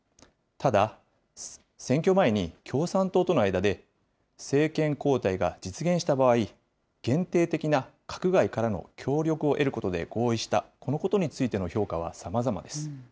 ただ、選挙前に共産党との間で政権交代が実現した場合、限定的な閣外からの協力を得ることで合意した、このことについての評価はさまざまです。